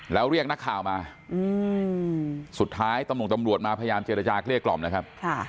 แล้วเรียกนักข่าวมาสุดท้ายตำรวจมาพยายามเจรจาเกลี้ยกล่อมนะครับ